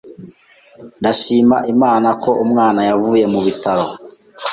Ndashima Imana ko umwana yavuye mu bitaro